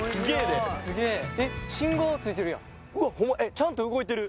ちゃんと動いてる。